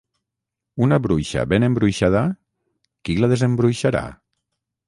Una bruixa ben embruixada, qui la desembruixarà?